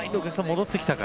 戻ってきた回。